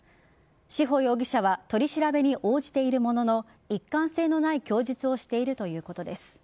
志穂容疑者は取り調べに応じているものの一貫性のない供述をしているということです。